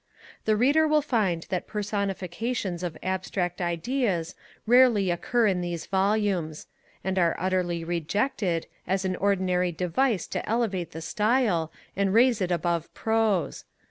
The Reader will find that personifications of abstract ideas rarely occur in these volumes; and are utterly rejected, as an ordinary device to elevate the style, and raise it above prose.